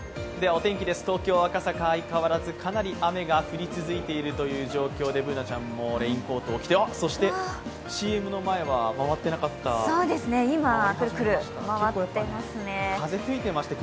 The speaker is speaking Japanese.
お天気です、東京・赤坂、相変わらずかなり雨が降り続いている状況でＢｏｏｎａちゃんもレインコートを着てそしてＣＭの前は回ってなかったですが、回り始めました。